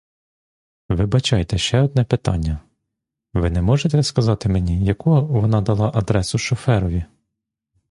Вибачайте, ще одне питання: ви не можете сказати мені, яку вона дала адресу шоферові?